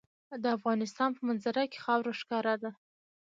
د افغانستان په منظره کې خاوره ښکاره ده.